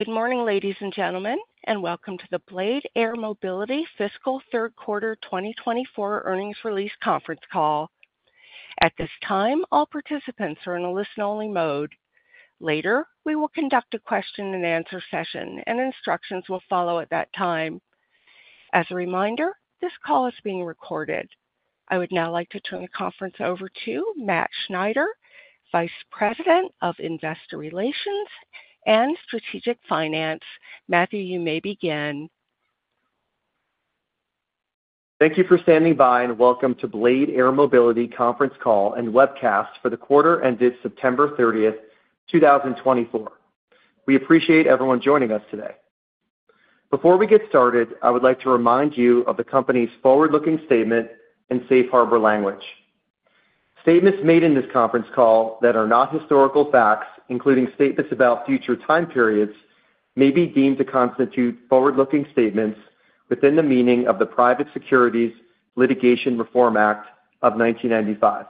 Good morning, ladies and gentlemen, and welcome to the Blade Air Mobility Fiscal Third Quarter 2024 Earnings Release Conference Call. At this time, all participants are in a listen-only mode. Later, we will conduct a question-and-answer session, and instructions will follow at that time. As a reminder, this call is being recorded. I would now like to turn the conference over to Matt Schneider, Vice President of Investor Relations and Strategic Finance. Matthew, you may begin. Thank you for standing by, and welcome to Blade Air Mobility Conference Call and Webcast for the quarter ended September 30th 2024. We appreciate everyone joining us today. Before we get started, I would like to remind you of the company's forward-looking statement in safe harbor language. Statements made in this conference call that are not historical facts, including statements about future time periods, may be deemed to constitute forward-looking statements within the meaning of the Private Securities Litigation Reform Act of 1995.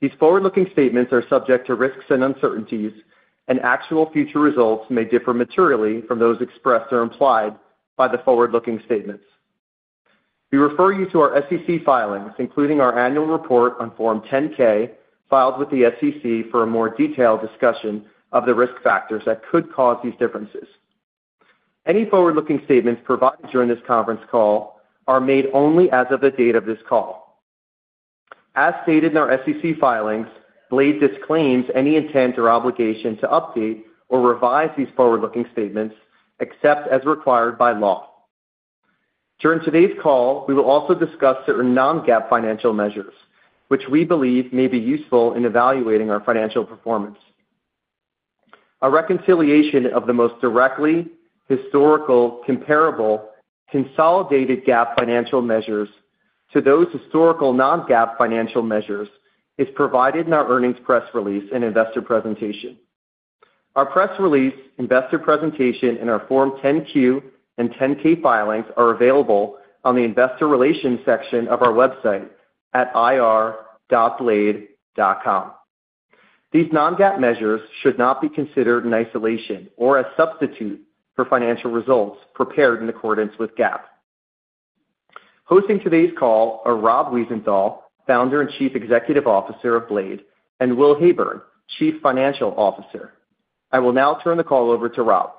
These forward-looking statements are subject to risks and uncertainties, and actual future results may differ materially from those expressed or implied by the forward-looking statements. We refer you to our SEC filings, including our annual report on Form 10-K filed with the SEC for a more detailed discussion of the risk factors that could cause these differences. Any forward-looking statements provided during this conference call are made only as of the date of this call. As stated in our SEC filings, Blade disclaims any intent or obligation to update or revise these forward-looking statements except as required by law. During today's call, we will also discuss certain non-GAAP financial measures, which we believe may be useful in evaluating our financial performance. A reconciliation of the most directly historical comparable consolidated GAAP financial measures to those historical non-GAAP financial measures is provided in our earnings press release and investor presentation. Our press release, investor presentation, and our Form 10-Q and 10-K filings are available on the investor relations section of our website at ir.blade.com. These non-GAAP measures should not be considered in isolation or as substitutes for financial results prepared in accordance with GAAP. Hosting today's call are Rob Wiesenthal, Founder and Chief Executive Officer of Blade, and Will Heyburn, Chief Financial Officer. I will now turn the call over to Rob.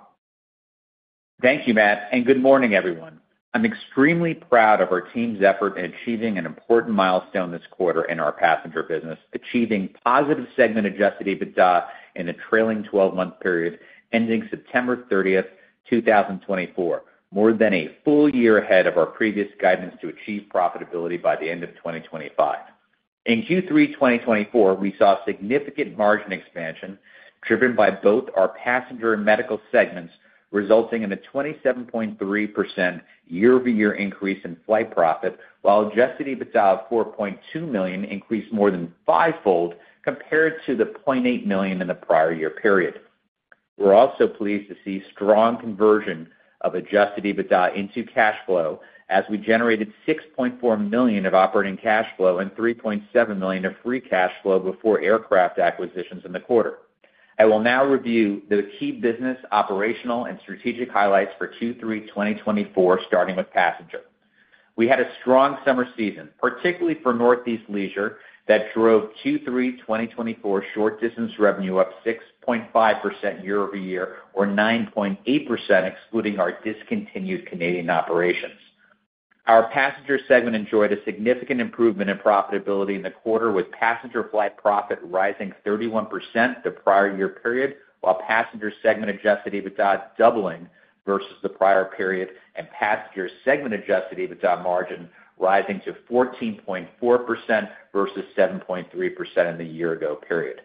Thank you, Matt, and good morning, everyone. I'm extremely proud of our team's effort in achieving an important milestone this quarter in our passenger business, achieving positive Segment Adjusted EBITDA in a trailing 12-month period ending September 30, 2024, more than a full year ahead of our previous guidance to achieve profitability by the end of 2025. In Q3 2024, we saw significant margin expansion driven by both our passenger and medical segments, resulting in a 27.3% year-over-year increase in Flight Profit, while adjusted EBITDA of $4.2 million increased more than fivefold compared to the $0.8 million in the prior year period. We're also pleased to see strong conversion of adjusted EBITDA into cash flow as we generated $6.4 million of operating cash flow and $3.7 million of free cash flow before aircraft acquisitions in the quarter. I will now review the key business, operational, and strategic highlights for Q3 2024, starting with passenger. We had a strong summer season, particularly for Northeast Leisure, that drove Q3 2024 short-distance revenue up 6.5% year-over-year or 9.8% excluding our discontinued Canadian operations. Our passenger segment enjoyed a significant improvement in profitability in the quarter, with passenger Flight Profit rising 31% the prior year period, while passenger Segment Adjusted EBITDA doubling versus the prior period, and passenger Segment Adjusted EBITDA margin rising to 14.4% versus 7.3% in the year-ago period.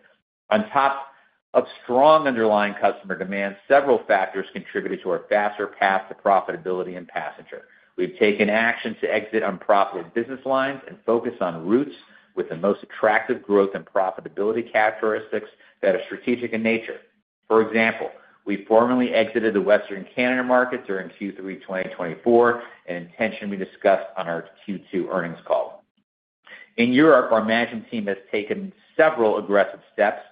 On top of strong underlying customer demand, several factors contributed to our faster path to profitability and passenger. We've taken action to exit unprofitable business lines and focus on routes with the most attractive growth and profitability characteristics that are strategic in nature. For example, we formally exited the Western Canada market during Q3 2024, an intention we discussed on our Q2 earnings call. In Europe, our management team has taken several aggressive steps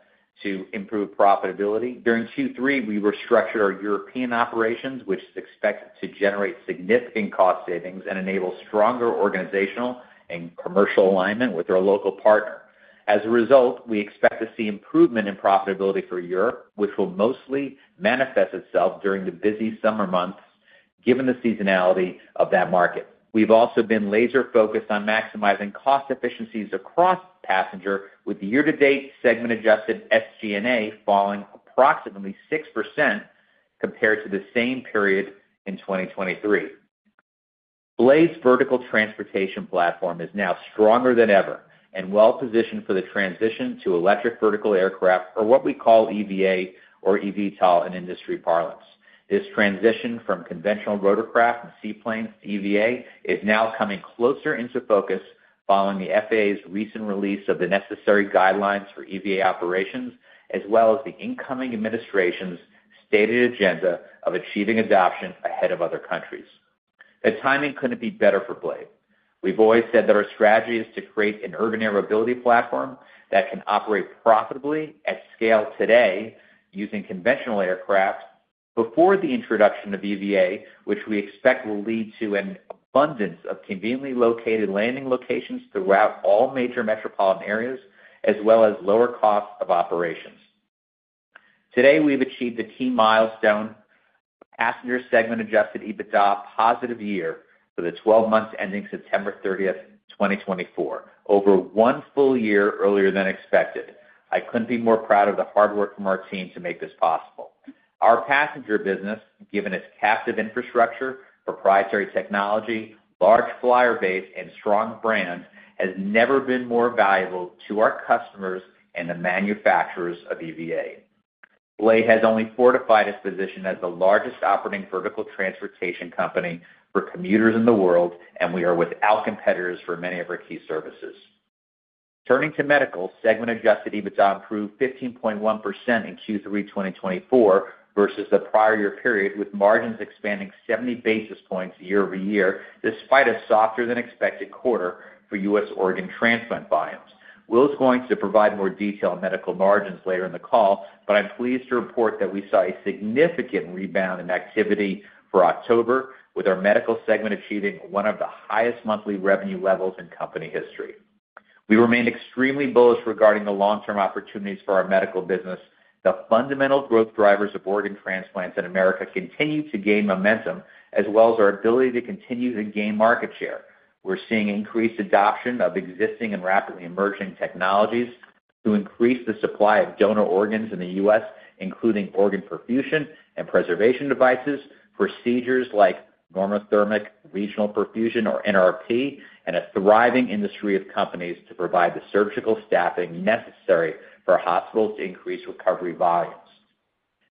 to improve profitability. During Q3, we restructured our European operations, which is expected to generate significant cost savings and enable stronger organizational and commercial alignment with our local partner. As a result, we expect to see improvement in profitability for Europe, which will mostly manifest itself during the busy summer months, given the seasonality of that market. We've also been laser-focused on maximizing cost efficiencies across passenger, with year-to-date Segment-Adjusted SG&A falling approximately 6% compared to the same period in 2023. Blade's vertical transportation platform is now stronger than ever and well-positioned for the transition to electric vertical aircraft, or what we call EVA or eVTOL in industry parlance. This transition from conventional rotorcraft and seaplanes to EVA is now coming closer into focus following the FAA's recent release of the necessary guidelines for EVA operations, as well as the incoming administration's stated agenda of achieving adoption ahead of other countries. The timing couldn't be better for Blade. We've always said that our strategy is to create an urban air mobility platform that can operate profitably at scale today using conventional aircraft before the introduction of EVA, which we expect will lead to an abundance of conveniently located landing locations throughout all major metropolitan areas, as well as lower costs of operations. Today, we've achieved the key milestone of passenger Segment Adjusted EBITDA positive year for the 12 months ending September 30th 2024, over one full year earlier than expected. I couldn't be more proud of the hard work from our team to make this possible. Our passenger business, given its captive infrastructure, proprietary technology, large flyer base, and strong brand, has never been more valuable to our customers and the manufacturers of EVA. Blade has only fortified its position as the largest operating vertical transportation company for commuters in the world, and we are without competitors for many of our key services. Turning to medical, Segment Adjusted EBITDA improved 15.1% in Q3 2024 versus the prior year period, with margins expanding 70 basis points year-over-year despite a softer-than-expected quarter for U.S. organ transplant volumes. Will is going to provide more detail on medical margins later in the call, but I'm pleased to report that we saw a significant rebound in activity for October, with our medical segment achieving one of the highest monthly revenue levels in company history. We remain extremely bullish regarding the long-term opportunities for our medical business. The fundamental growth drivers of organ transplants in America continue to gain momentum, as well as our ability to continue to gain market share. We're seeing increased adoption of existing and rapidly emerging technologies to increase the supply of donor organs in the U.S., including organ perfusion and preservation devices, procedures like normothermic regional perfusion or NRP, and a thriving industry of companies to provide the surgical staffing necessary for hospitals to increase recovery volumes.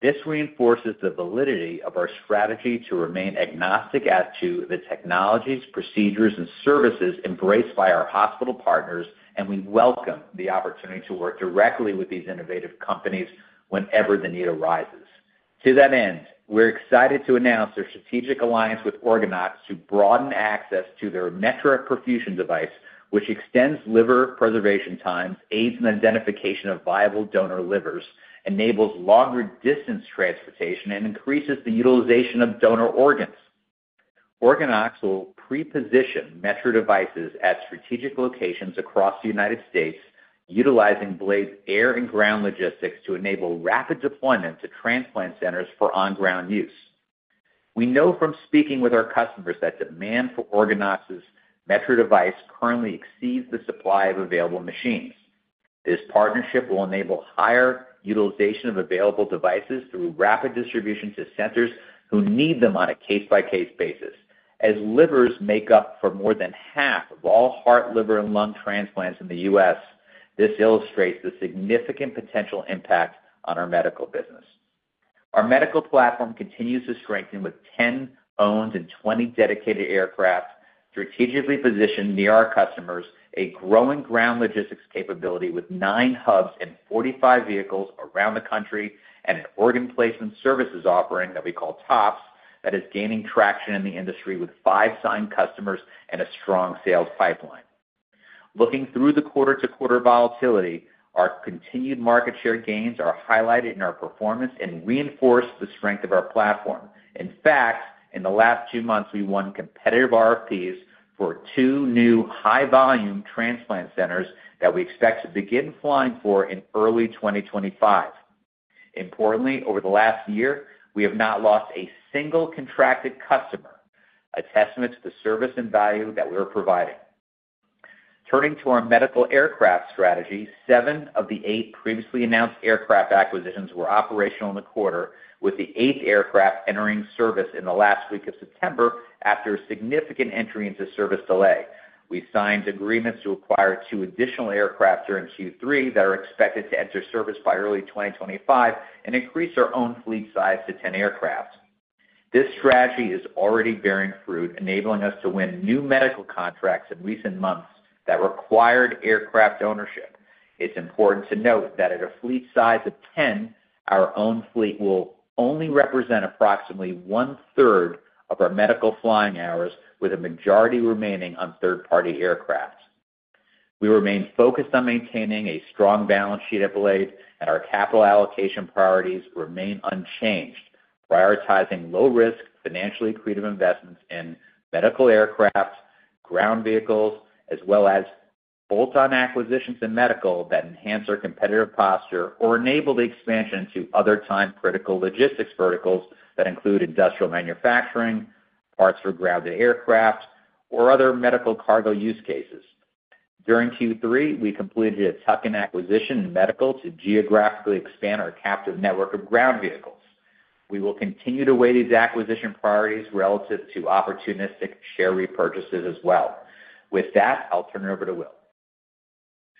This reinforces the validity of our strategy to remain agnostic as to the technologies, procedures, and services embraced by our hospital partners, and we welcome the opportunity to work directly with these innovative companies whenever the need arises. To that end, we're excited to announce our strategic alliance with OrganOx to broaden access to their Metra perfusion device, which extends liver preservation times, aids in the identification of viable donor livers, enables longer-distance transportation, and increases the utilization of donor organs. OrganOx will pre-position Metra devices at strategic locations across the United States, utilizing Blade's air and ground logistics to enable rapid deployment to transplant centers for on-ground use. We know from speaking with our customers that demand for OrganOx's Metra device currently exceeds the supply of available machines. This partnership will enable higher utilization of available devices through rapid distribution to centers who need them on a case-by-case basis. As livers make up more than half of all heart, liver, and lung transplants in the U.S., this illustrates the significant potential impact on our medical business. Our medical platform continues to strengthen with 10 owned and 20 dedicated aircraft strategically positioned near our customers, a growing ground logistics capability with nine hubs and 45 vehicles around the country, and an organ placement services offering that we call TOPS that is gaining traction in the industry with five signed customers and a strong sales pipeline. Looking through the quarter-to-quarter volatility, our continued market share gains are highlighted in our performance and reinforce the strength of our platform. In fact, in the last two months, we won competitive RFPs for two new high-volume transplant centers that we expect to begin flying for in early 2025. Importantly, over the last year, we have not lost a single contracted customer, a testament to the service and value that we are providing. Turning to our medical aircraft strategy, seven of the eight previously announced aircraft acquisitions were operational in the quarter, with the eighth aircraft entering service in the last week of September after a significant entry into service delay. We signed agreements to acquire two additional aircraft during Q3 that are expected to enter service by early 2025 and increase our own fleet size to 10 aircraft. This strategy is already bearing fruit, enabling us to win new medical contracts in recent months that required aircraft ownership. It's important to note that at a fleet size of 10, our own fleet will only represent approximately one-third of our medical flying hours, with a majority remaining on third-party aircraft. We remain focused on maintaining a strong balance sheet at Blade, and our capital allocation priorities remain unchanged, prioritizing low-risk financial equity investments in medical aircraft, ground vehicles, as well as bolt-on acquisitions in medical that enhance our competitive posture or enable the expansion into other time-critical logistics verticals that include industrial manufacturing, parts for grounded aircraft, or other medical cargo use cases. During Q3, we completed a tuck-in acquisition in medical to geographically expand our captive network of ground vehicles. We will continue to weigh these acquisition priorities relative to opportunistic share repurchases as well. With that, I'll turn it over to Will.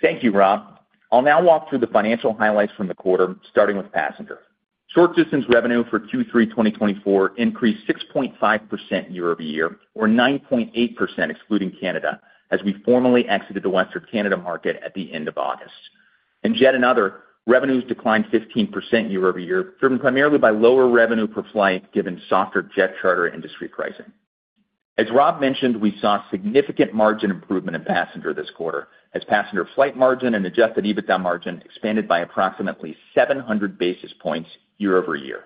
Thank you, Rob. I'll now walk through the financial highlights from the quarter, starting with passenger. Short-distance revenue for Q3 2024 increased 6.5% year-over-year, or 9.8% excluding Canada, as we formally exited the Western Canada market at the end of August. In jet and other, revenues declined 15% year-over-year, driven primarily by lower revenue per flight given softer jet charter industry pricing. As Rob mentioned, we saw significant margin improvement in passenger this quarter, as passenger flight margin and Adjusted EBITDA margin expanded by approximately 700 basis points year-over-year.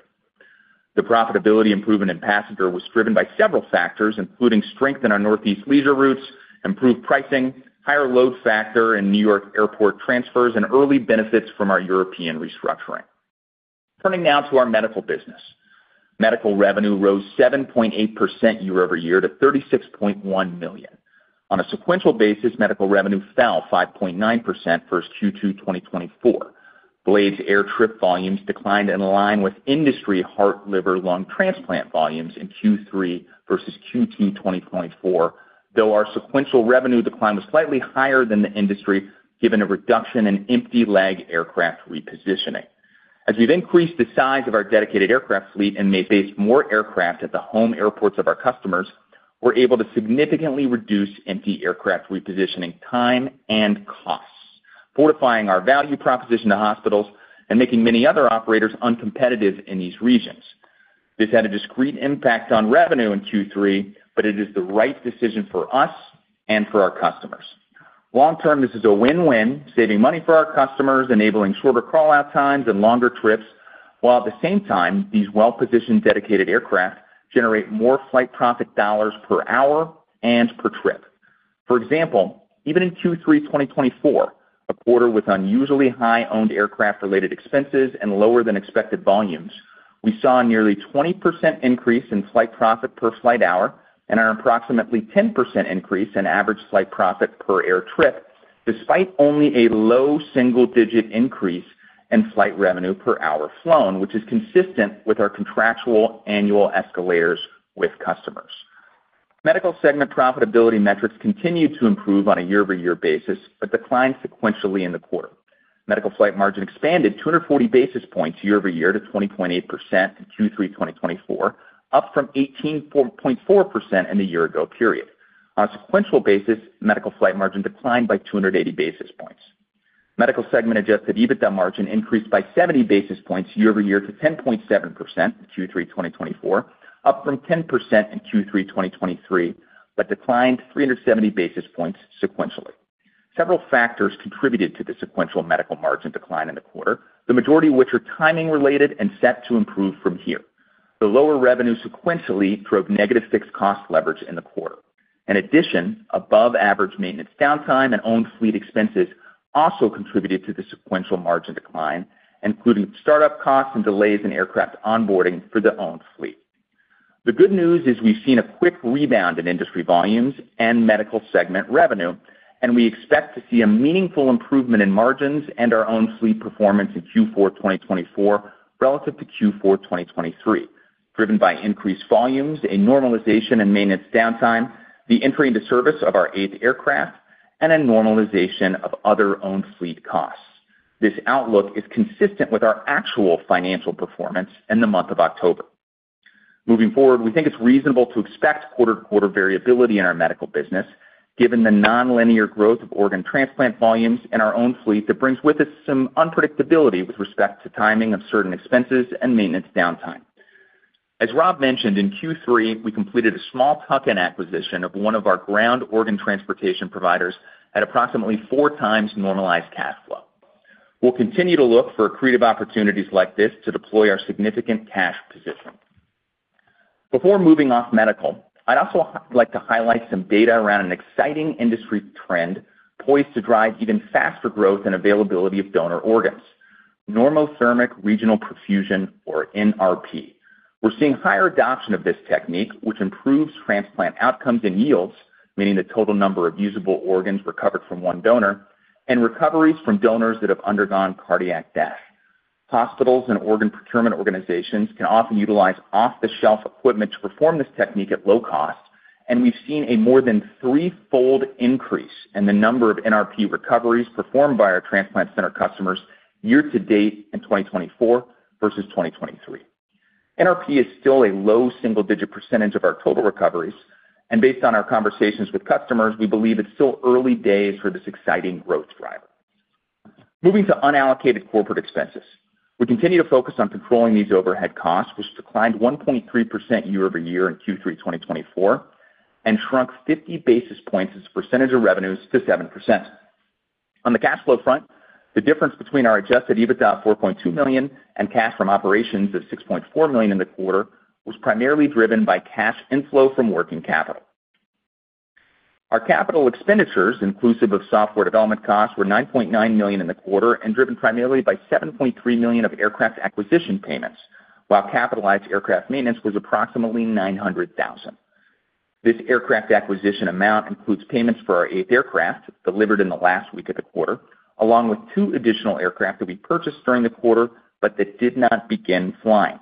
The profitability improvement in passenger was driven by several factors, including strength in our Northeast Leisure routes, improved pricing, higher load factor in New York airport transfers, and early benefits from our European restructuring. Turning now to our medical business. Medical revenue rose 7.8% year-over-year to $36.1 million. On a sequential basis, medical revenue fell 5.9% versus Q2 2024. Blade's air trip volumes declined in line with industry heart, liver, lung transplant volumes in Q3 versus Q2 2024, though our sequential revenue decline was slightly higher than the industry given a reduction in empty-leg aircraft repositioning. As we've increased the size of our dedicated aircraft fleet and may base more aircraft at the home airports of our customers, we're able to significantly reduce empty aircraft repositioning time and costs, fortifying our value proposition to hospitals and making many other operators uncompetitive in these regions. This had a discrete impact on revenue in Q3, but it is the right decision for us and for our customers. Long-term, this is a win-win, saving money for our customers, enabling shorter callout times and longer trips, while at the same time, these well-positioned dedicated aircraft generate more Flight Profit dollars per hour and per trip. For example, even in Q3 2024, a quarter with unusually high owned aircraft-related expenses and lower than expected volumes, we saw a nearly 20% increase in Flight Profit per flight hour and an approximately 10% increase in average Flight Profit per air trip, despite only a low single-digit increase in flight revenue per hour flown, which is consistent with our contractual annual escalators with customers. Medical segment profitability metrics continued to improve on a year-over-year basis, but declined sequentially in the quarter. Medical flight margin expanded 240 basis points year-over-year to 20.8% in Q3 2024, up from 18.4% in the year-ago period. On a sequential basis, medical flight margin declined by 280 basis points. Medical Segment Adjusted EBITDA margin increased by 70 basis points year-over-year to 10.7% in Q3 2024, up from 10% in Q3 2023, but declined 370 basis points sequentially. Several factors contributed to the sequential medical margin decline in the quarter, the majority of which are timing-related and set to improve from here. The lower revenue sequentially drove negative fixed cost leverage in the quarter. In addition, above-average maintenance downtime and owned fleet expenses also contributed to the sequential margin decline, including startup costs and delays in aircraft onboarding for the owned fleet. The good news is we've seen a quick rebound in industry volumes and medical segment revenue, and we expect to see a meaningful improvement in margins and our own fleet performance in Q4 2024 relative to Q4 2023, driven by increased volumes, a normalization in maintenance downtime, the entry into service of our eighth aircraft, and a normalization of other owned fleet costs. This outlook is consistent with our actual financial performance in the month of October. Moving forward, we think it's reasonable to expect quarter-to-quarter variability in our medical business, given the non-linear growth of organ transplant volumes in our own fleet that brings with it some unpredictability with respect to timing of certain expenses and maintenance downtime. As Rob mentioned, in Q3, we completed a small tuck-in acquisition of one of our ground organ transportation providers at approximately four times normalized cash flow. We'll continue to look for accretive opportunities like this to deploy our significant cash position. Before moving off medical, I'd also like to highlight some data around an exciting industry trend poised to drive even faster growth and availability of donor organs: normothermic regional perfusion, or NRP. We're seeing higher adoption of this technique, which improves transplant outcomes and yields, meaning the total number of usable organs recovered from one donor and recoveries from donors that have undergone cardiac death. Hospitals and organ procurement organizations can often utilize off-the-shelf equipment to perform this technique at low cost, and we've seen a more than threefold increase in the number of NRP recoveries performed by our transplant center customers year-to-date in 2024 versus 2023. NRP is still a low single-digit percentage of our total recoveries, and based on our conversations with customers, we believe it's still early days for this exciting growth driver. Moving to unallocated corporate expenses, we continue to focus on controlling these overhead costs, which declined 1.3% year-over-year in Q3 2024 and shrunk 50 basis points as a percentage of revenues to 7%. On the cash flow front, the difference between our Adjusted EBITDA of $4.2 million and cash from operations of $6.4 million in the quarter was primarily driven by cash inflow from working capital. Our capital expenditures, inclusive of software development costs, were $9.9 million in the quarter and driven primarily by $7.3 million of aircraft acquisition payments, while capitalized aircraft maintenance was approximately $900,000. This aircraft acquisition amount includes payments for our eighth aircraft delivered in the last week of the quarter, along with two additional aircraft that we purchased during the quarter but that did not begin flying.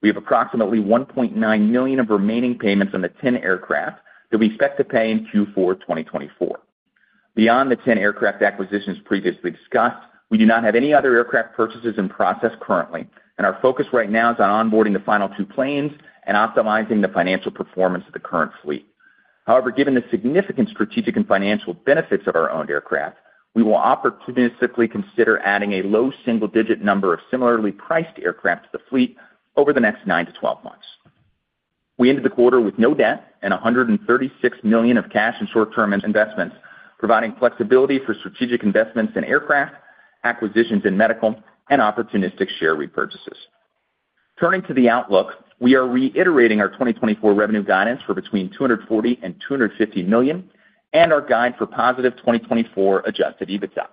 We have approximately $1.9 million of remaining payments on the 10 aircraft that we expect to pay in Q4 2024. Beyond the 10 aircraft acquisitions previously discussed, we do not have any other aircraft purchases in process currently, and our focus right now is on onboarding the final two planes and optimizing the financial performance of the current fleet. However, given the significant strategic and financial benefits of our owned aircraft, we will opportunistically consider adding a low single-digit number of similarly priced aircraft to the fleet over the next nine to 12 months. We ended the quarter with no debt and $136 million of cash and short-term investments, providing flexibility for strategic investments in aircraft acquisitions in medical and opportunistic share repurchases. Turning to the outlook, we are reiterating our 2024 revenue guidance for between $240-$250 million and our guide for positive 2024 Adjusted EBITDA.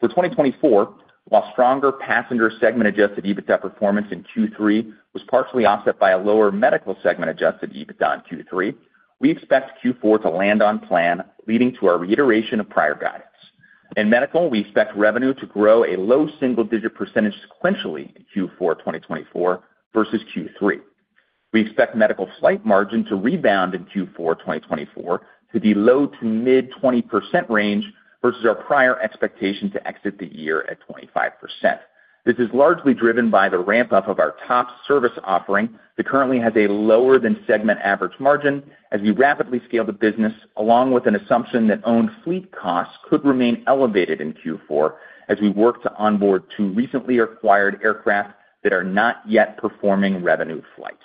For 2024, while stronger passenger Segment Adjusted EBITDA performance in Q3 was partially offset by a lower medical Segment Adjusted EBITDA in Q3, we expect Q4 to land on plan, leading to our reiteration of prior guidance. In medical, we expect revenue to grow a low single-digit % sequentially in Q4 2024 versus Q3. We expect medical flight margin to rebound in Q4 2024 to the low- to mid-20% range versus our prior expectation to exit the year at 25%. This is largely driven by the ramp-up of our TOPS service offering that currently has a lower than segment average margin as we rapidly scale the business, along with an assumption that owned fleet costs could remain elevated in Q4 as we work to onboard two recently acquired aircraft that are not yet performing revenue flights.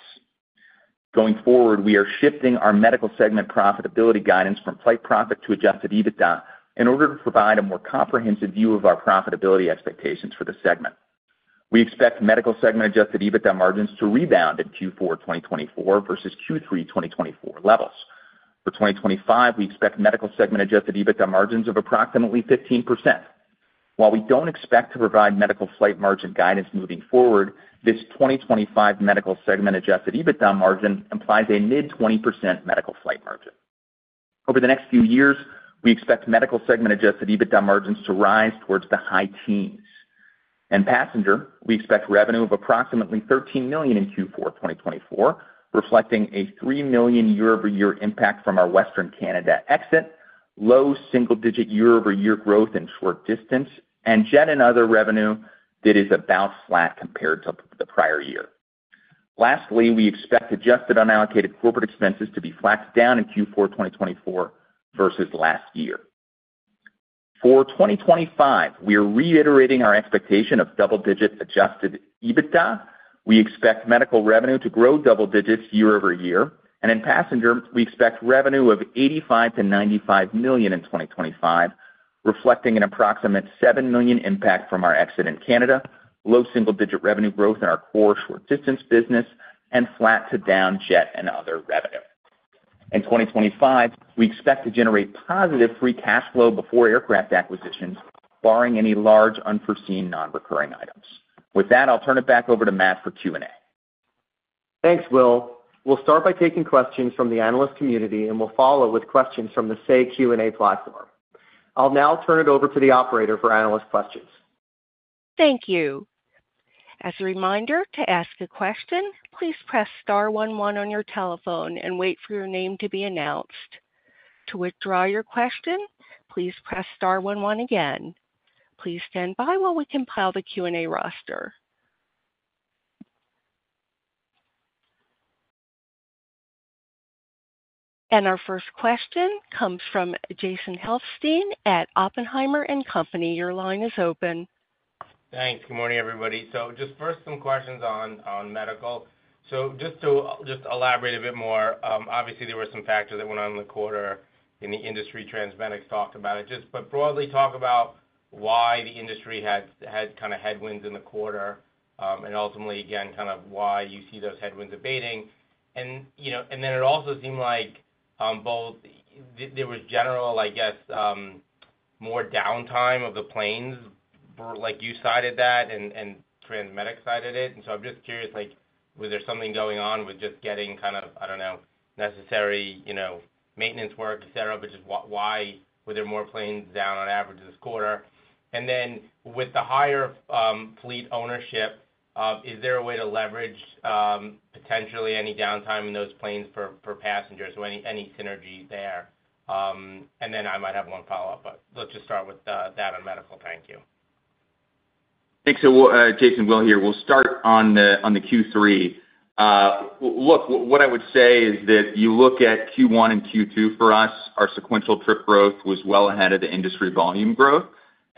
Going forward, we are shifting our medical segment profitability guidance from Flight Profit to Adjusted EBITDA in order to provide a more comprehensive view of our profitability expectations for the segment. We expect medical Segment Adjusted EBITDA margins to rebound in Q4 2024 versus Q3 2024 levels. For 2025, we expect medical Segment Adjusted EBITDA margins of approximately 15%. While we don't expect to provide medical flight margin guidance moving forward, this 2025 medical Segment Adjusted EBITDA margin implies a mid-20% medical flight margin. Over the next few years, we expect medical Segment Adjusted EBITDA margins to rise towards the high teens. In passenger, we expect revenue of approximately $13 million in Q4 2024, reflecting a $3 million year-over-year impact from our Western Canada exit, low single-digit year-over-year growth in short distance, and jet and other revenue that is about flat compared to the prior year. Lastly, we expect adjusted unallocated corporate expenses to be flat down in Q4 2024 versus last year. For 2025, we are reiterating our expectation of double-digit adjusted EBITDA. We expect medical revenue to grow double digits year-over-year, and in passenger, we expect revenue of $85-$95 million in 2025, reflecting an approximate $7 million impact from our exit in Canada, low single-digit revenue growth in our core short-distance business, and flat to down jet and other revenue. In 2025, we expect to generate positive free cash flow before aircraft acquisitions, barring any large unforeseen non-recurring items. With that, I'll turn it back over to Matt for Q&A. Thanks, Will. We'll start by taking questions from the analyst community, and we'll follow with questions from the Say Q&A platform. I'll now turn it over to the operator for analyst questions. Thank you. As a reminder, to ask a question, please press star 11 on your telephone and wait for your name to be announced. To withdraw your question, please press star 11 again. Please stand by while we compile the Q&A roster. Our first question comes from Jason Helfstein at Oppenheimer & Co. Your line is open. Thanks. Good morning, everybody. Just first, some questions on medical. Just to elaborate a bit more, obviously, there were some factors that went on in the quarter in the industry TransMedics talked about it. But broadly, talk about why the industry had kind of headwinds in the quarter and ultimately, again, kind of why you see those headwinds abating. It also seemed like both there was general, I guess, more downtime of the planes, like you cited that, and TransMedics cited it. I'm just curious, was there something going on with just getting kind of, I don't know, necessary maintenance work, etc., but just why were there more planes down on average this quarter? And then with the higher fleet ownership, is there a way to leverage potentially any downtime in those planes for passengers? So any synergy there? And then I might have one follow-up, but let's just start with that on medical. Thank you. Thanks, Jason. Will here. We'll start on the Q3. Look, what I would say is that you look at Q1 and Q2 for us, our sequential trip growth was well ahead of the industry volume growth.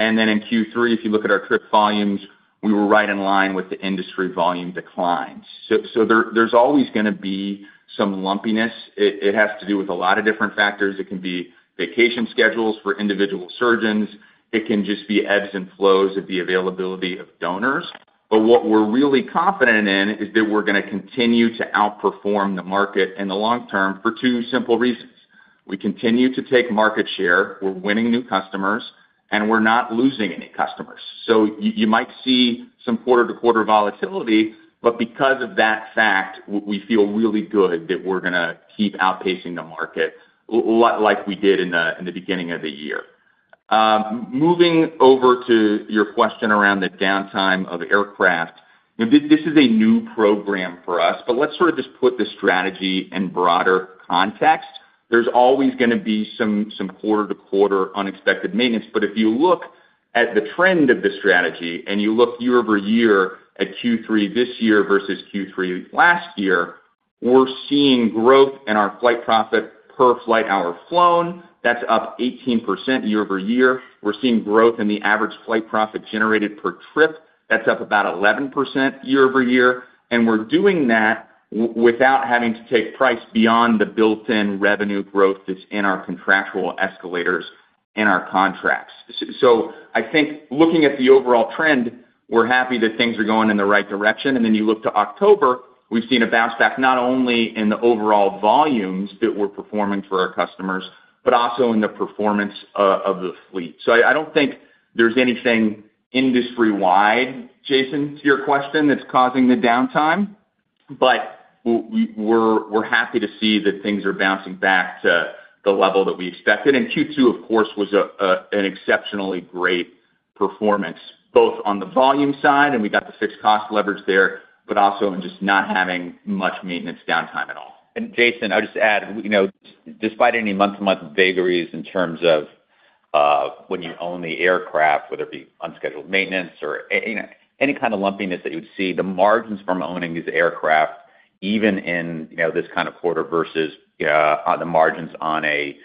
And then in Q3, if you look at our trip volumes, we were right in line with the industry volume decline. So there's always going to be some lumpiness. It has to do with a lot of different factors. It can be vacation schedules for individual surgeons. It can just be ebbs and flows of the availability of donors. But what we're really confident in is that we're going to continue to outperform the market in the long term for two simple reasons. We continue to take market share. We're winning new customers, and we're not losing any customers. So you might see some quarter-to-quarter volatility, but because of that fact, we feel really good that we're going to keep outpacing the market like we did in the beginning of the year. Moving over to your question around the downtime of aircraft, this is a new program for us, but let's sort of just put the strategy in broader context. There's always going to be some quarter-to-quarter unexpected maintenance. But if you look at the trend of the strategy and you look year-over-year at Q3 this year versus Q3 last year, we're seeing growth in our Flight Profit per flight hour flown. That's up 18% year-over-year. We're seeing growth in the average Flight Profit generated per trip. That's up about 11% year-over-year. And we're doing that without having to take price beyond the built-in revenue growth that's in our contractual escalators in our contracts. So I think looking at the overall trend, we're happy that things are going in the right direction. And then you look to October, we've seen a bounce back not only in the overall volumes that we're performing for our customers, but also in the performance of the fleet. So I don't think there's anything industry-wide, Jason, to your question that's causing the downtime, but we're happy to see that things are bouncing back to the level that we expected. Q2, of course, was an exceptionally great performance, both on the volume side, and we got the fixed cost leverage there, but also in just not having much maintenance downtime at all. Jason, I'll just add, despite any month-to-month vagaries in terms of when you own the aircraft, whether it be unscheduled maintenance or any kind of lumpiness that you would see, the margins from owning these aircraft, even in this kind of quarter versus the margins on a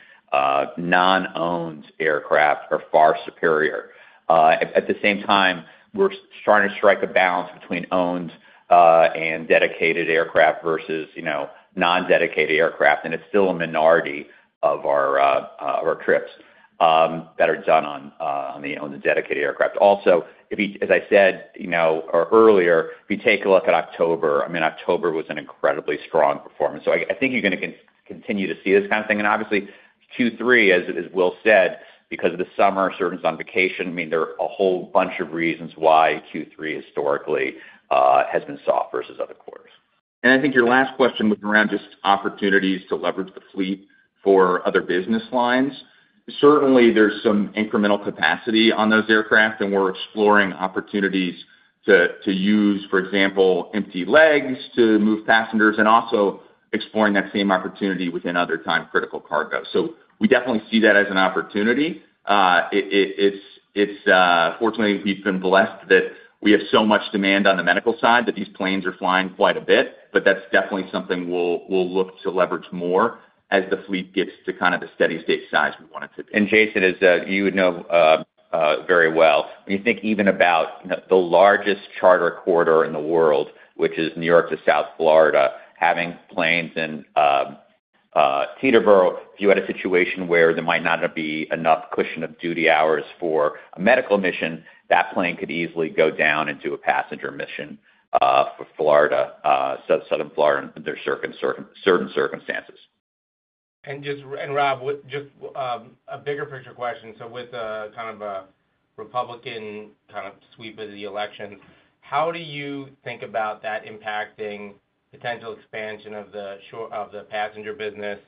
non-owned aircraft are far superior. At the same time, we're trying to strike a balance between owned and dedicated aircraft versus non-dedicated aircraft, and it's still a minority of our trips that are done on the owned and dedicated aircraft. Also, as I said earlier, if you take a look at October, I mean, October was an incredibly strong performance. So I think you're going to continue to see this kind of thing. And obviously, Q3, as Will said, because of the summer, surgeons on vacation, I mean, there are a whole bunch of reasons why Q3 historically has been soft versus other quarters. And I think your last question was around just opportunities to leverage the fleet for other business lines. Certainly, there's some incremental capacity on those aircraft, and we're exploring opportunities to use, for example, empty legs to move passengers and also exploring that same opportunity within other time-critical cargo. So we definitely see that as an opportunity. Fortunately, we've been blessed that we have so much demand on the medical side that these planes are flying quite a bit, but that's definitely something we'll look to leverage more as the fleet gets to kind of the steady-state size we want it to be. Jason, as you would know very well, when you think even about the largest charter quarter in the world, which is New York to South Florida, having planes in Teterboro, if you had a situation where there might not be enough cushion of duty hours for a medical mission, that plane could easily go down into a passenger mission for South Florida under certain circumstances. Rob, just a bigger picture question. With kind of a Republican kind of sweep of the election, how do you think about that impacting potential expansion of the passenger business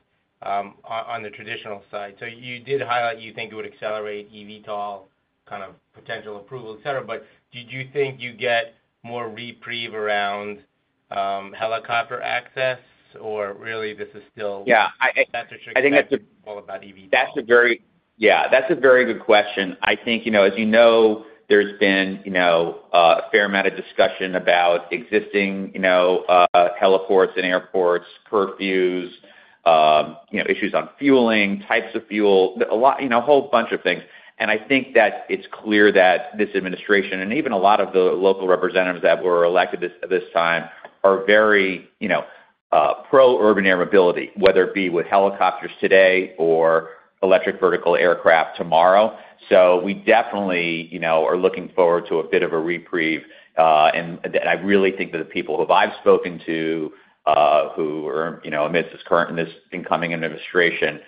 on the traditional side? You did highlight you think it would accelerate eVTOL kind of potential approval, etc., but did you think you get more reprieve around helicopter access, or really this is still. Yeah. That's a tricky question. I think that's all about eVTOL. Yeah. That's a very good question. I think, as you know, there's been a fair amount of discussion about existing heliports and airports, curfews, issues on fueling, types of fuel, a whole bunch of things. And I think that it's clear that this administration and even a lot of the local representatives that were elected this time are very pro-urban air mobility, whether it be with helicopters today or electric vertical aircraft tomorrow. So we definitely are looking forward to a bit of a reprieve. And I really think that the people who I've spoken to who are amidst this current and this incoming administration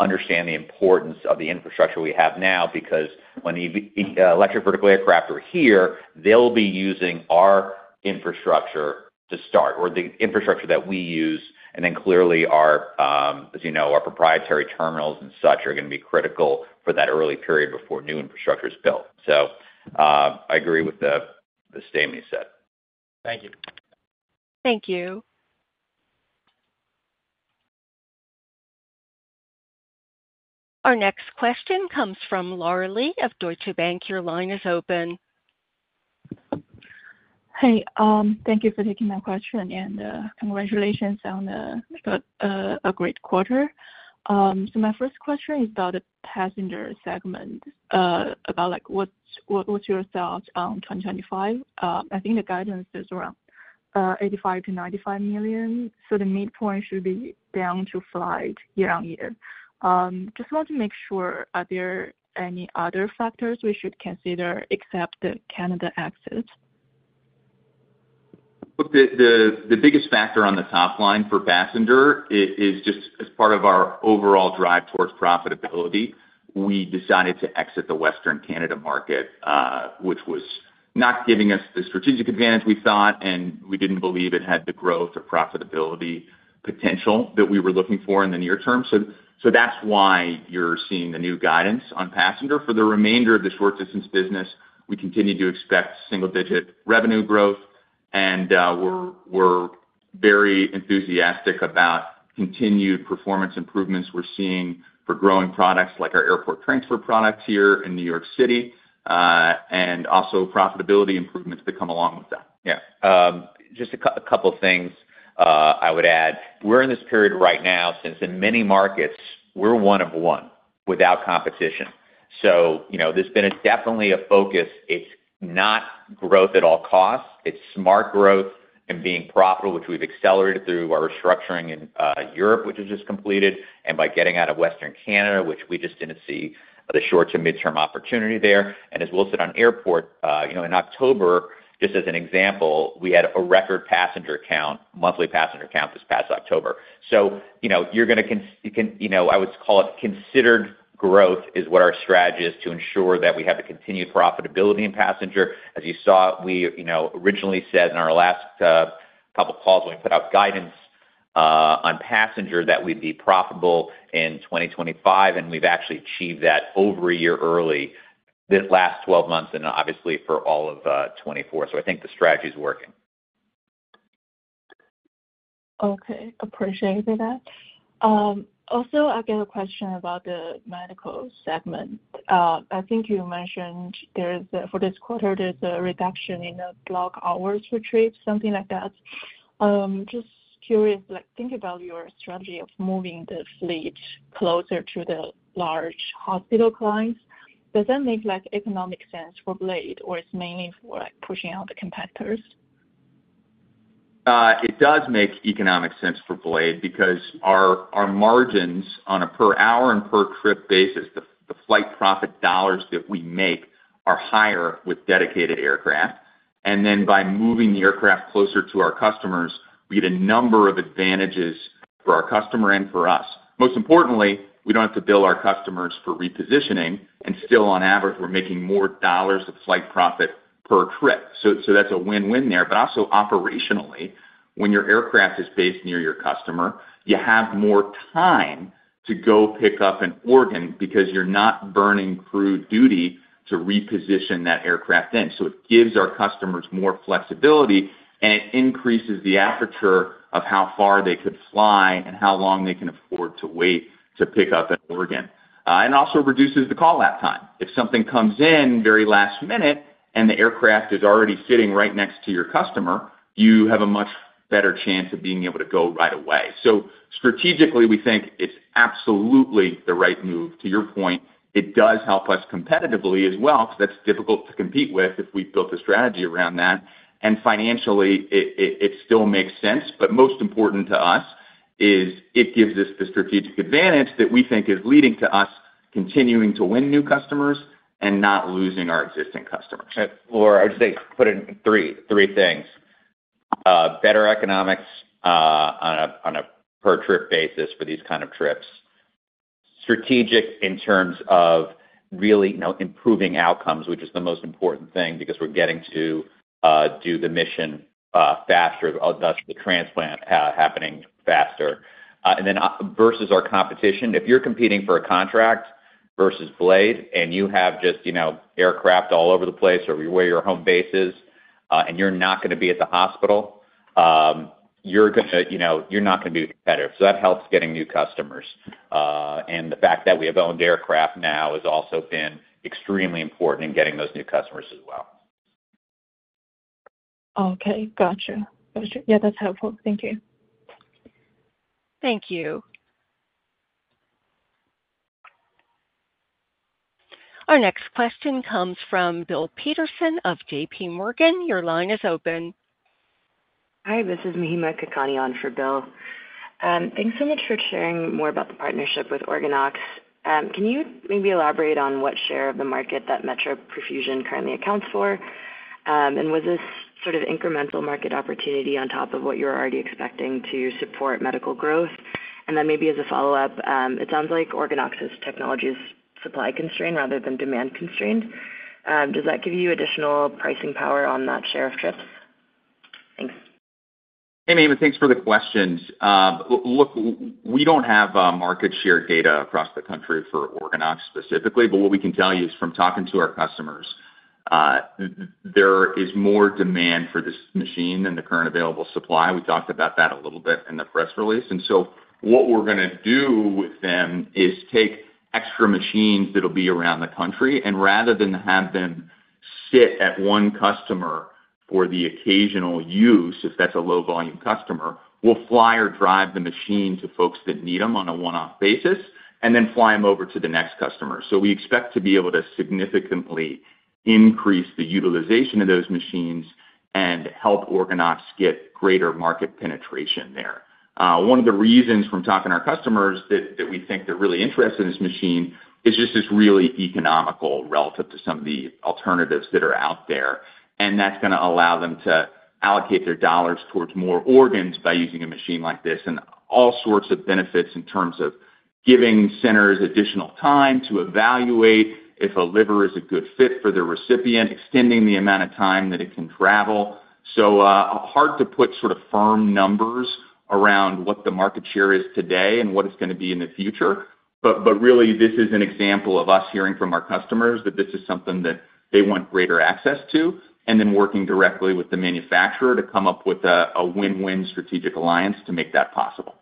understand the importance of the infrastructure we have now because when electric vertical aircraft are here, they'll be using our infrastructure to start or the infrastructure that we use. And then clearly, as you know, our proprietary terminals and such are going to be critical for that early period before new infrastructure is built. So I agree with the statement you said. Thank you. Thank you. Our next question comes from Laura Li of Deutsche Bank. Your line is open. Hey, thank you for taking my question and congratulations on a great quarter. So my first question is about the passenger segment, about what's your thoughts on 2025? I think the guidance is around $85 million-$95 million. So the midpoint should be down to flat year on year. Just want to make sure, are there any other factors we should consider except the Canada exit? The biggest factor on the top line for passenger is just as part of our overall drive towards profitability, we decided to exit the Western Canada market, which was not giving us the strategic advantage we thought, and we didn't believe it had the growth or profitability potential that we were looking for in the near term. So that's why you're seeing the new guidance on passenger. For the remainder of the short-distance business, we continue to expect single-digit revenue growth, and we're very enthusiastic about continued performance improvements we're seeing for growing products like our airport transfer products here in New York City and also profitability improvements that come along with that. Yeah. Just a couple of things I would add. We're in this period right now since, in many markets, we're one of one without competition. So there's been definitely a focus. It's not growth at all costs. It's smart growth and being profitable, which we've accelerated through our restructuring in Europe, which has just completed, and by getting out of Western Canada, which we just didn't see the short- to midterm opportunity there. And as Will said on Airport, in October, just as an example, we had a record passenger count, monthly passenger count this past October. So you're going to, I would call it considered growth is what our strategy is to ensure that we have the continued profitability in passenger. As you saw, we originally said in our last couple of calls when we put out guidance on passenger that we'd be profitable in 2025, and we've actually achieved that over a year early this last 12 months and obviously for all of 2024. So I think the strategy is working. Okay. Appreciate that. Also, I've got a question about the medical segment. I think you mentioned for this quarter, there's a reduction in the block hours for trips, something like that. Just curious, think about your strategy of moving the fleet closer to the large hospital clients. Does that make economic sense for Blade, or it's mainly for pushing out the competitors? It does make economic sense for Blade because our margins on a per hour and per trip basis, the flight profit dollars that we make are higher with dedicated aircraft. And then by moving the aircraft closer to our customers, we get a number of advantages for our customer and for us. Most importantly, we don't have to bill our customers for repositioning, and still, on average, we're making more dollars of flight profit per trip. So that's a win-win there. But also operationally, when your aircraft is based near your customer, you have more time to go pick up an organ because you're not burning crew duty to reposition that aircraft in. So it gives our customers more flexibility, and it increases the aperture of how far they could fly and how long they can afford to wait to pick up an organ. And it also reduces the call-out time. If something comes in very last minute and the aircraft is already sitting right next to your customer, you have a much better chance of being able to go right away. So strategically, we think it's absolutely the right move. To your point, it does help us competitively as well because that's difficult to compete with if we've built a strategy around that. And financially, it still makes sense. But most important to us is it gives us the strategic advantage that we think is leading to us continuing to win new customers and not losing our existing customers. Or I would say put it in three things. Better economics on a per-trip basis for these kinds of trips. Strategic in terms of really improving outcomes, which is the most important thing because we're getting to do the mission faster, thus the transplant happening faster. And then versus our competition, if you're competing for a contract versus Blade and you have just aircraft all over the place or where your home base is and you're not going to be at the hospital, you're not going to be competitive. So that helps getting new customers. And the fact that we have owned aircraft now has also been extremely important in getting those new customers as well. Okay. Gotcha. Gotcha. Yeah, that's helpful. Thank you. Thank you. Our next question comes from Bill Peterson of J.P. Morgan. Your line is open. Hi. This is Mahima Kakani on for Bill. Thanks so much for sharing more about the partnership with OrganOx. Can you maybe elaborate on what share of the market that Metra perfusion currently accounts for? And was this sort of incremental market opportunity on top of what you were already expecting to support medical growth? And then maybe as a follow-up, it sounds like OrganOx's technology is supply constrained rather than demand constrained. Does that give you additional pricing power on that share of trips? Thanks. Hey, Mahima. Thanks for the questions. Look, we don't have market share data across the country for OrganOx specifically, but what we can tell you is from talking to our customers, there is more demand for this machine than the current available supply. We talked about that a little bit in the press release. And so what we're going to do with them is take extra machines that will be around the country, and rather than have them sit at one customer for the occasional use, if that's a low-volume customer, we'll fly or drive the machine to folks that need them on a one-off basis and then fly them over to the next customer. So we expect to be able to significantly increase the utilization of those machines and help OrganOx get greater market penetration there. One of the reasons from talking to our customers that we think they're really interested in this machine is just it's really economical relative to some of the alternatives that are out there. That's going to allow them to allocate their dollars towards more organs by using a machine like this and all sorts of benefits in terms of giving centers additional time to evaluate if a liver is a good fit for the recipient, extending the amount of time that it can travel. So hard to put sort of firm numbers around what the market share is today and what it's going to be in the future. Really, this is an example of us hearing from our customers that this is something that they want greater access to, and then working directly with the manufacturer to come up with a win-win strategic alliance to make that possible.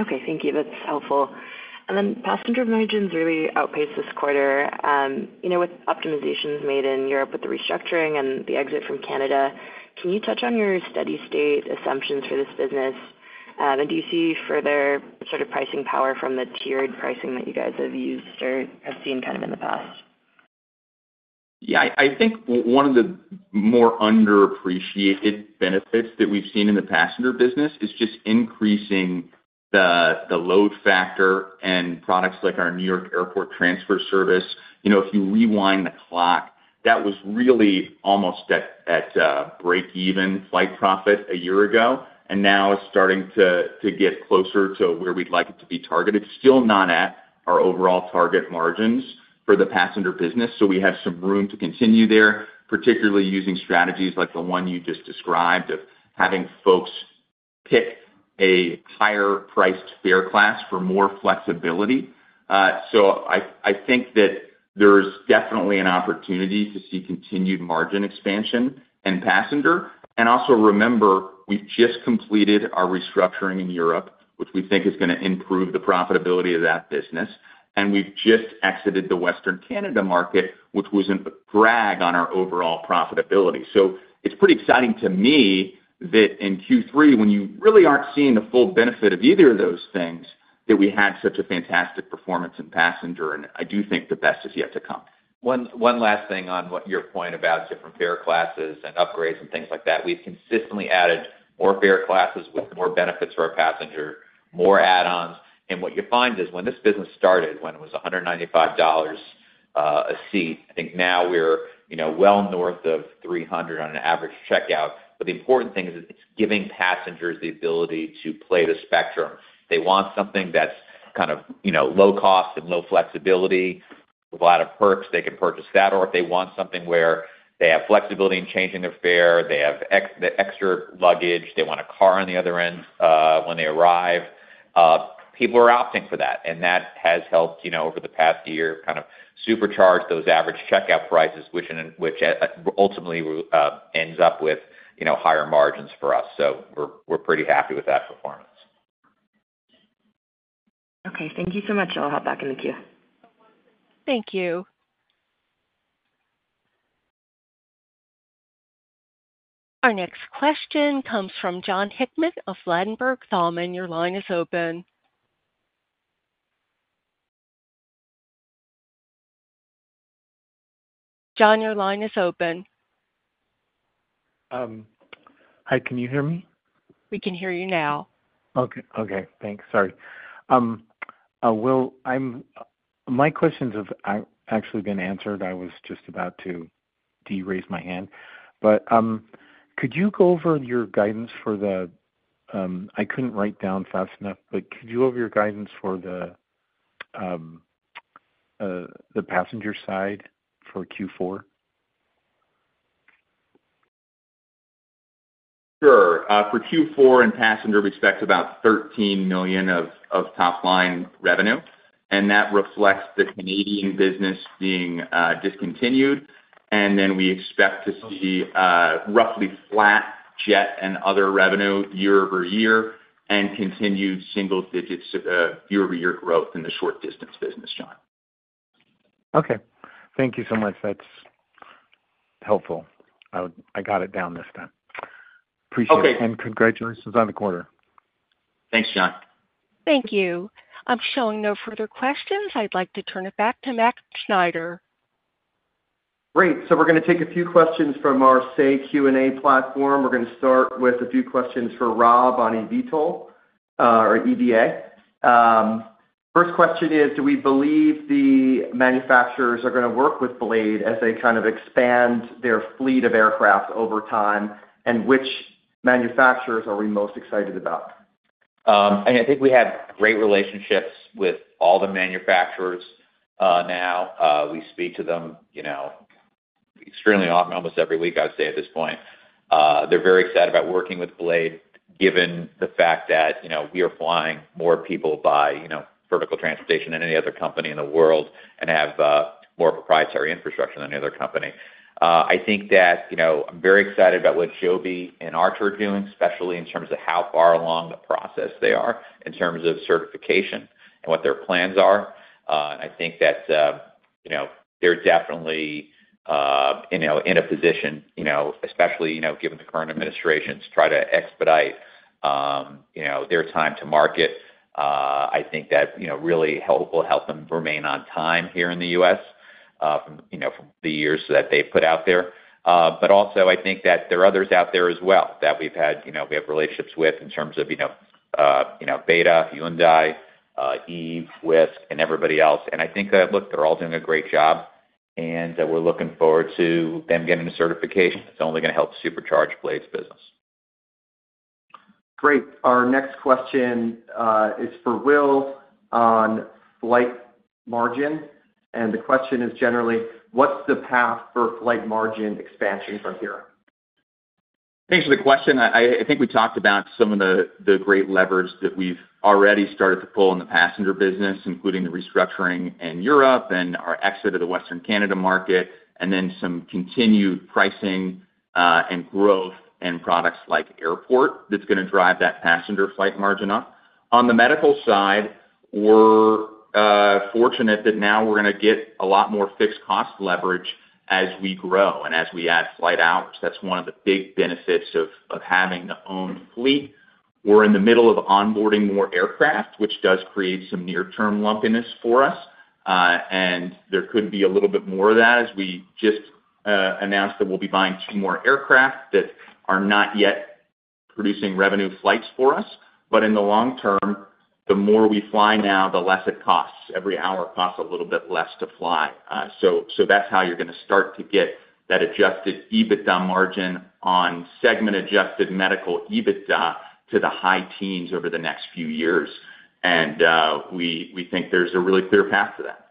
Okay. Thank you. That's helpful. Passenger margins really outpaced this quarter. With optimizations made in Europe with the restructuring and the exit from Canada, can you touch on your steady-state assumptions for this business? And do you see further sort of pricing power from the tiered pricing that you guys have used or have seen kind of in the past? Yeah. I think one of the more underappreciated benefits that we've seen in the passenger business is just increasing the load factor and products like our New York airport transfer service. If you rewind the clock, that was really almost at break-even flight profit a year ago, and now it's starting to get closer to where we'd like it to be targeted. Still not at our overall target margins for the passenger business. So we have some room to continue there, particularly using strategies like the one you just described of having folks pick a higher-priced fare class for more flexibility. So I think that there's definitely an opportunity to see continued margin expansion and passenger. And also remember, we've just completed our restructuring in Europe, which we think is going to improve the profitability of that business. And we've just exited the Western Canada market, which was a drag on our overall profitability. So it's pretty exciting to me that in Q3, when you really aren't seeing the full benefit of either of those things, that we had such a fantastic performance in passenger. And I do think the best is yet to come. One last thing on your point about different fare classes and upgrades and things like that. We've consistently added more fare classes with more benefits for our passenger, more add-ons. And what you find is when this business started, when it was $195 a seat, I think now we're well north of 300 on an average checkout. But the important thing is it's giving passengers the ability to play the spectrum. They want something that's kind of low cost and low flexibility with a lot of perks. They can purchase that. Or if they want something where they have flexibility in changing their fare, they have extra luggage, they want a car on the other end when they arrive. People are opting for that. And that has helped over the past year kind of supercharge those average checkout prices, which ultimately ends up with higher margins for us. So we're pretty happy with that performance. Okay. Thank you so much. I'll hop back in the queue. Thank you. Our next question comes from Jon Hickman of Ladenburg Thalmann. Your line is open. John, your line is open. Hi. Can you hear me? We can hear you now. Okay. Okay. Thanks. Sorry. My questions have actually been answered. I was just about to de-raise my hand. But I couldn't write down fast enough, but could you go over your guidance for the passenger side for Q4? Sure. For Q4 in passenger respect, about $13 million of top-line revenue. And that reflects the Canadian business being discontinued. And then we expect to see roughly flat jet and other revenue year over year and continued single-digit year-over-year growth in the short-distance business, John. Okay. Thank you so much. That's helpful. I got it down this time. Appreciate it. And congratulations on the quarter. Thanks, John. Thank you. I'm showing no further questions. I'd like to turn it back to Matt Schneider. Great. We’re going to take a few questions from our Say Q&A platform. We’re going to start with a few questions for Rob on eVTOL or EVA. First question is, do we believe the manufacturers are going to work with Blade as they kind of expand their fleet of aircraft over time? And which manufacturers are we most excited about? I think we have great relationships with all the manufacturers now. We speak to them extremely often, almost every week, I would say at this point. They’re very excited about working with Blade given the fact that we are flying more people by vertical transportation than any other company in the world and have more proprietary infrastructure than any other company. I think that I'm very excited about what Joby and Archer are doing, especially in terms of how far along the process they are in terms of certification and what their plans are. I think that they're definitely in a position, especially given the current administration, to try to expedite their time to market. I think that really will help them remain on time here in the U.S. from the years that they've put out there. But also, I think that there are others out there as well that we've had relationships with in terms of Beta, Hyundai, Eve, Wisk, and everybody else. And I think that, look, they're all doing a great job. And we're looking forward to them getting the certification. It's only going to help supercharge Blade's business. Great. Our next question is for Will on flight margin. The question is generally, what's the path for flight margin expansion from here? Thanks for the question. I think we talked about some of the great levers that we've already started to pull in the passenger business, including the restructuring in Europe and our exit of the Western Canada market, and then some continued pricing and growth in products like Airport that's going to drive that passenger flight margin up. On the medical side, we're fortunate that now we're going to get a lot more fixed cost leverage as we grow and as we add flight hours. That's one of the big benefits of having the owned fleet. We're in the middle of onboarding more aircraft, which does create some near-term lumpiness for us. There could be a little bit more of that as we just announced that we'll be buying two more aircraft that are not yet producing revenue flights for us. In the long term, the more we fly now, the less it costs. Every hour costs a little bit less to fly. That's how you're going to start to get that Adjusted EBITDA margin on Segment-Adjusted Medical EBITDA to the high teens over the next few years. We think there's a really clear path to that.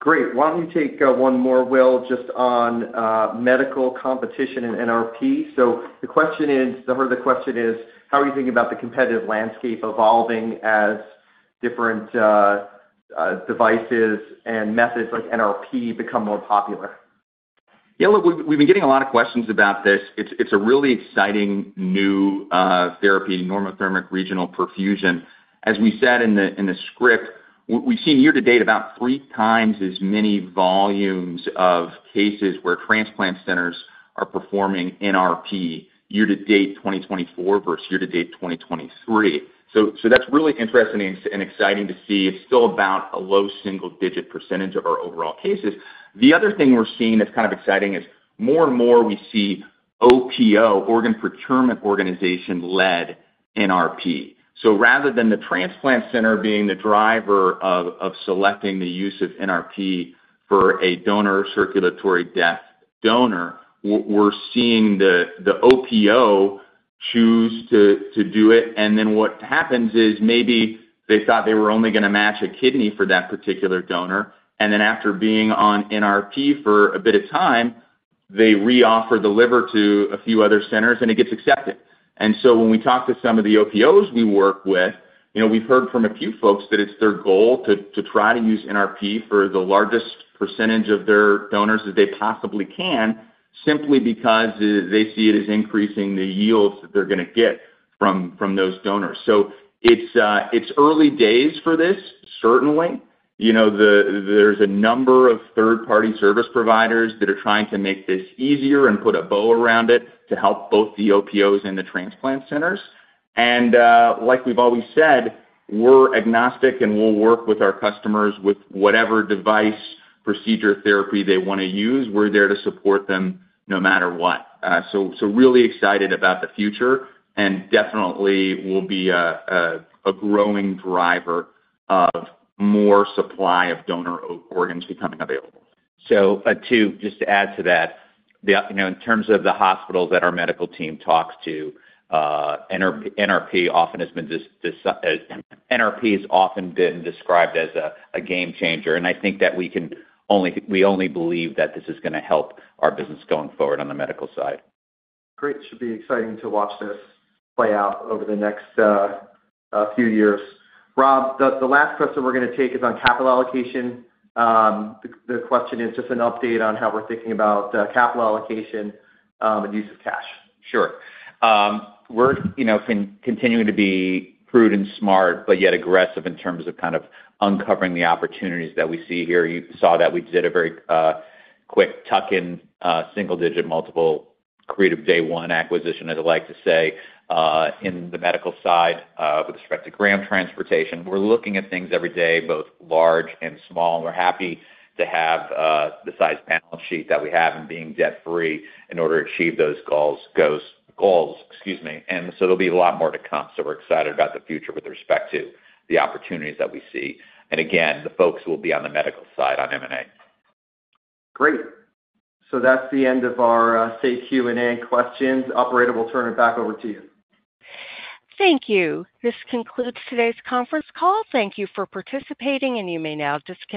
Great. Why don't we take one more, Will, just on medical competition and NRP? The question is, the heart of the question is, how are you thinking about the competitive landscape evolving as different devices and methods like NRP become more popular? Yeah. Look, we've been getting a lot of questions about this. It's a really exciting new therapy, normothermic regional perfusion. As we said in the script, we've seen year-to-date about three times as many volumes of cases where transplant centers are performing NRP year-to-date 2024 versus year-to-date 2023. So that's really interesting and exciting to see. It's still about a low single-digit % of our overall cases. The other thing we're seeing that's kind of exciting is more and more we see OPO, Organ Procurement Organization, led NRP. So rather than the transplant center being the driver of selecting the use of NRP for a donor circulatory death donor, we're seeing the OPO choose to do it. And then what happens is maybe they thought they were only going to match a kidney for that particular donor. And then after being on NRP for a bit of time, they reoffer the liver to a few other centers, and it gets accepted. And so when we talk to some of the OPOs we work with, we've heard from a few folks that it's their goal to try to use NRP for the largest percentage of their donors as they possibly can, simply because they see it as increasing the yields that they're going to get from those donors. So it's early days for this, certainly. There's a number of third-party service providers that are trying to make this easier and put a bow around it to help both the OPOs and the transplant centers. And like we've always said, we're agnostic, and we'll work with our customers with whatever device procedure therapy they want to use. We're there to support them no matter what. So really excited about the future and definitely will be a growing driver of more supply of donor organs becoming available. So, too, just to add to that, in terms of the hospitals that our medical team talks to, NRP has been described as a game changer. And I think that we only believe that this is going to help our business going forward on the medical side. Great. It should be exciting to watch this play out over the next few years. Rob, the last question we're going to take is on capital allocation. The question is just an update on how we're thinking about capital allocation and use of cash. Sure. We're continuing to be prudent and smart, but yet aggressive in terms of kind of uncovering the opportunities that we see here. You saw that we did a very quick tuck-in single-digit multiple accretive day one acquisition, as I like to say, in the medical side with respect to organ transportation. We're looking at things every day, both large and small. We're happy to have the size balance sheet that we have and being debt-free in order to achieve those goals. Excuse me, and so there'll be a lot more to come. So we're excited about the future with respect to the opportunities that we see. And again, the folks will be on the medical side on M&A. Great, so that's the end of our Say Q&A questions. Operator, we'll turn it back over to you. Thank you. This concludes today's conference call. Thank you for participating, and you may now disconnect.